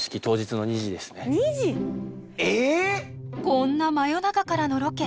こんな真夜中からのロケ